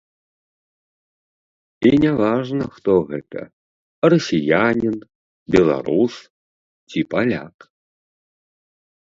І не важна, хто гэта, расіянін, беларус ці паляк.